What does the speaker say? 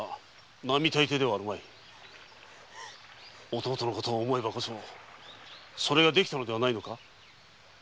弟のことを思えばこそそれができたのではないのか。